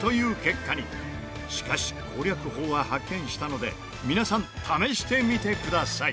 しかし攻略法は発見したので皆さん試してみてください。